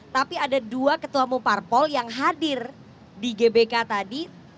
tapi ada dua ketua mumparpol yang hadir di gbk tadi